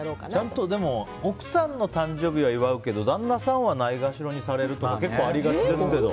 奥さんの誕生日は祝うけど旦那さんはないがしろにされるとか結構ありがちですけど。